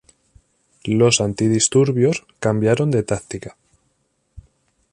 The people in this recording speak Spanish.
Los antidisturbios cambiaron de táctica